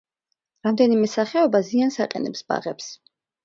რამდენიმე სახეობა ზიანს აყენებს ბაღებს.